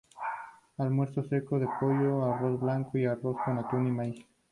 Almuerzo, seco de pollo y arroz blanco o arroz con atún y maíz.